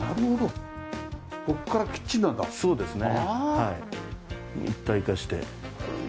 そうですね。一体化して。